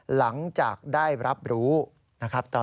หลังจากได้รับรู้นะครับ